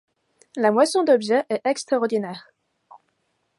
La moisson d’objets est extraordinaire.